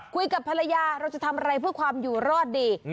คุยกับภรรยาเราจะทำอะไรเพื่อความอยู่รอดดี